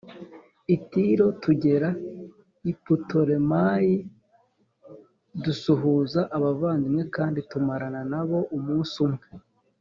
i Tiro tugera i Putolemayi dusuhuza abavandimwe kandi tumarana na bo umunsi umwe